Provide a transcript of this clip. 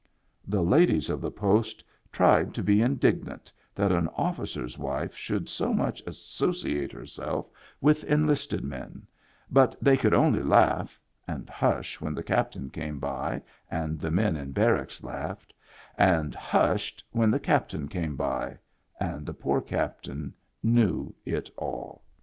The ladies of the Post tried to be indignant that an officer's wife should so much associate herself with enlisted men, but they could only laugh — and hush when the cap tain came by, and the men in barracks laughed — and hushed when the captain came by, and the poor captain knew it all.